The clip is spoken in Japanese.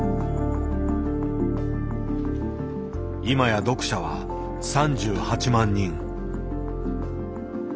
いまや読者は３８万人。